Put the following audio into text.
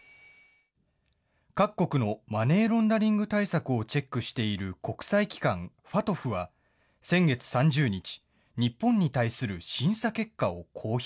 各国のマネーロンダリング対策をチェックしている国際機関、ＦＡＴＦは、先月３０日、日本に対する審査結果を公表。